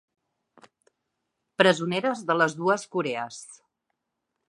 Presoneres de les dues Corees.